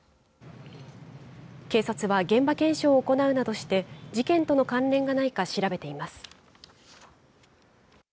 警察は現場検証を行うなどして事件との関連がないか調べています。